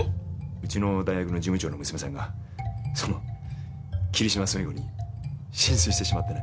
うちの大学の事務長の娘さんがその霧島澄子に心酔してしまってね。